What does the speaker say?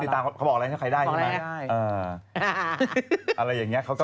เพราะว่าตอนนี้ก็ไม่มีใครไปข่มครูฆ่า